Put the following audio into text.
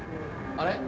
あれ？